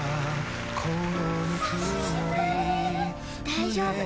大丈夫。